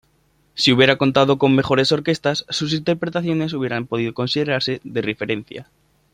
Si hubiera contado con mejores orquestas sus interpretaciones hubieran podido considerarse de referencia.